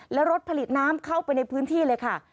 และรถผลิตน้ำเข้าไปในพื้นที่เลยค่ะ